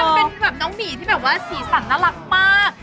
มันเป็นน้องหมี่ที่สีสั่นน่ารักมาก